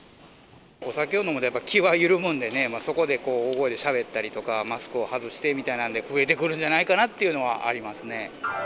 お酒を飲むと、やっぱり気は緩むんでね、そこで大声でしゃべったりとか、マスクを外してみたいなんで、増えてくるんじゃないかなっていうのはありますね。